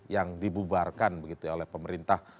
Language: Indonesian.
yang dibubarkan begitu ya oleh pemerintah